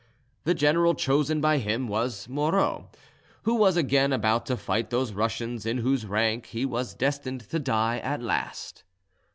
The general chosen by him was Moreau, who was again about to fight those Russians in whose ranks he was destined to die at last.